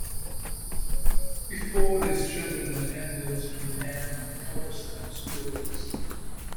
Before this children attended Meopham and Culverstone schools.